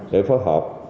để phối hợp